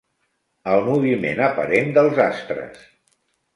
El moviment aparent dels astres.